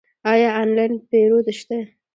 آیا آنلاین پیرود شته؟